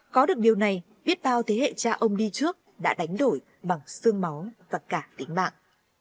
có được điều này biết bao thế hệ cha ông đi trước đã đánh đổi bằng xương máu và cả tính mạng